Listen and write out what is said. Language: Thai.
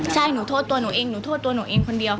ใช่หนูโทษตัวหนูเองหนูโทษตัวหนูเองคนเดียว